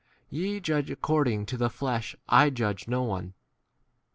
13 Ye * judge according to the flesh, I ■ 10 judge no one.